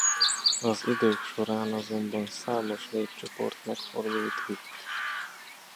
Az idők során azonban számos népcsoport megfordult itt.